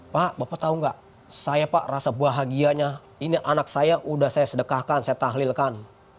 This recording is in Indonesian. pak bapak tahu nggak saya pak rasa bahagianya ini anak saya udah saya sedekahkan saya tahlilkan